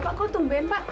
bapak kok tungguin pak